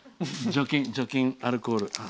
除菌アルコール。